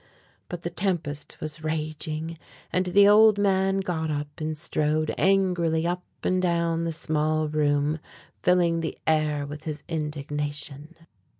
But the tempest was raging, and the old man got up and strode angrily up and down the small room, filling the air with his indignation.